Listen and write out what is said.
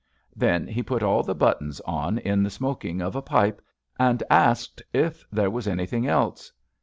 Then he put all the buttons on in the smoking of a pipe, and asked if there was anything else.